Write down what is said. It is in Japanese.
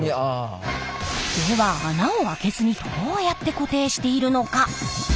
では穴をあけずにどうやって固定しているのか？